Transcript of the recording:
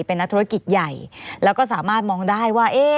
เป็นนักธุรกิจใหญ่แล้วก็สามารถมองได้ว่า